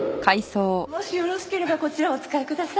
もしよろしければこちらお使いください。